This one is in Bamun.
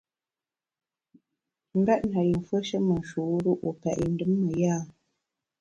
M’bèt na yi mfùeshe me nshur-u, wu pèt yi ndùm me ya ?